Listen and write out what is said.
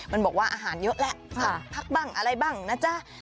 มันบอกว่าอาหารเยอะแล้วพักบ้างอะไรบ้างนะจ๊ะ